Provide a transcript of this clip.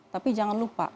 tapi jangan lupa